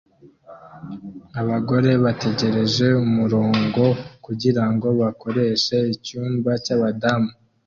Abagore bategereje umurongo kugirango bakoreshe icyumba cyabadamu